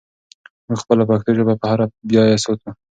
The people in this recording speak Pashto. موږ خپله پښتو ژبه په هره بیه ساتو.